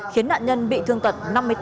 khiến nạn nhân bị thương tật năm mươi bốn